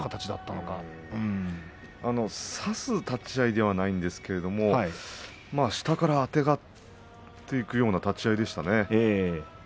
差す立ち合いではないんですが下からあてがっていくような立ち合いでしたね。